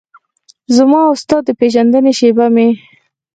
زما او ستا د پیژندنې شیبه مې